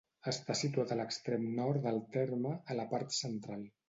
Està situat a l'extrem nord del terme, a la part central.